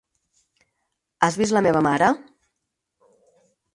Has vist la meva mare?